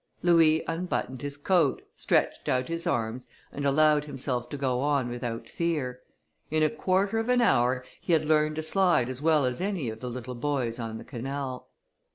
Louis unbuttoned his coat, stretched out his arms, and allowed himself to go on without fear. In a quarter of an hour he had learned to slide as well as any of the little boys on the canal.